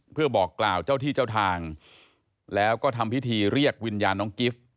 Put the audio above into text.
เพื่อบอกกล่าวเจ้าที่เจ้าทางแล้วก็ทำพิธีเรียกวิญญาณน้องกิฟต์